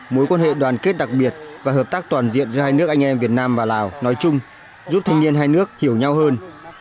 mối quan hệ đoàn kết đặc biệt và hợp tác toàn diện giữa hai nước anh em việt nam và lào nói chung giúp thanh niên hai nước hiểu nhau hơn